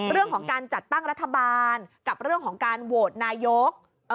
เรื่องของการจัดตั้งรัฐบาลกับเรื่องของการโหวตนายก